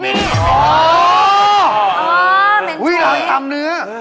พี่พ่น